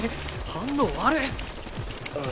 反応悪っ！